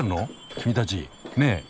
君たちねえ。